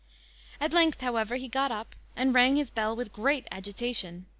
At length, however, he got up, and rang his bell with great agitation.